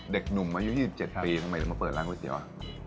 ๒๗เด็กหนุ่มอายุ๒๗ปีทำไมมาเปิดร้านกุศเตียวอ่ะ